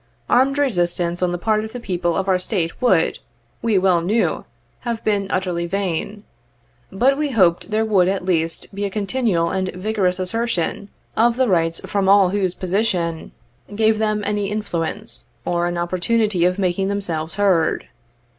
Armed resistance on the part of the people of our State would, we well knew, have been utterly vain ; but we hoped there would, at leapt, be a continual and vigorous assertion of their rights from all whose position 66 gave them any influence, or any opportunity of making themselves heard.